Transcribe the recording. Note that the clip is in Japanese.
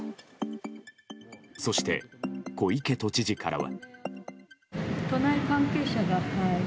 そして小池都知事からは。